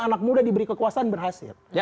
anak muda diberi kekuasaan berhasil